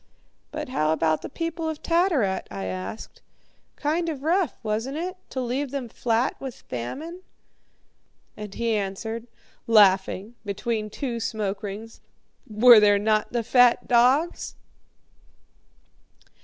"But how about the people of Tattarat?" I asked. "Kind of rough, wasn't it, to leave them flat with famine?" And he answered, laughing, between two smoke rings, "Were there not the fat dogs?"